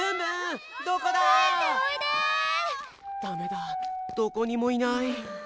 ダメだどこにもいない。